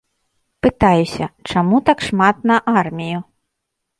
Пытаюся, чаму так шмат на армію?